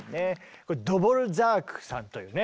これドボルザークさんというね